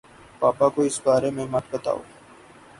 پاپا کو اِس بارے میں مت بتاؤ۔